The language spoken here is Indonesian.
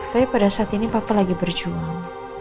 tapi pada saat ini papa lagi berjuang